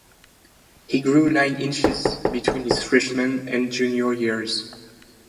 He grew nine inches between his freshman and junior years.